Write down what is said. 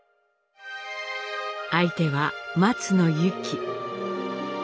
相手は松野ユキ。